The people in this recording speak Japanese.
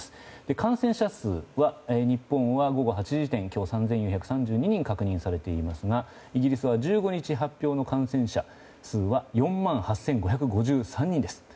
感染者数は日本は午後８時時点で３４３２人が確認されていますが、イギリスは１５日発表の感染者数が４万８５５３人です。